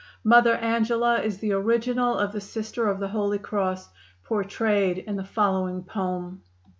Mother Angela is the original of the Sister of the Holy Cross portrayed in the following poem: I.